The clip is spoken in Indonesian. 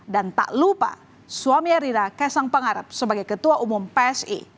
dan tak lupa suami erina kesang pengarap sebagai ketua umum psi